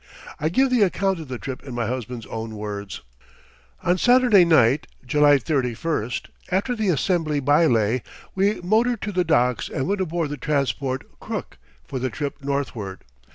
I give the account of the trip in my husband's own words: On Saturday night, July 31st, after the Assembly baile, we motored to the docks and went aboard the transport Crook for the trip northward.